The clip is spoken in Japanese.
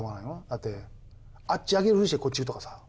だってあっち上げるふりしてこっちとかさ。